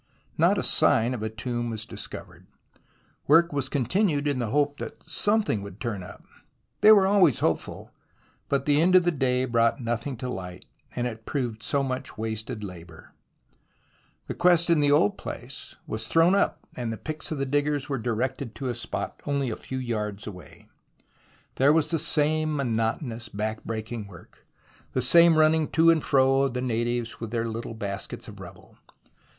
Not a sign of a tomb was discovered. Work was continued in the hope that something would turn up. They were always hopeful, but the end of the day brought nothing to light and it proved so much wasted labour. The quest in the old place was thrown up, and the picks of the diggers were directed to a spot 24 THE ROMANCE OF EXCAVATION only a few yards away. There was the same monotonous, back aching work, the same run ning to and fro of the natives with their httle baskets of rubble.